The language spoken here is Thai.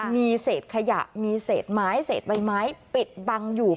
มีเศษขยะมีเศษไม้เศษใบไม้ปิดบังอยู่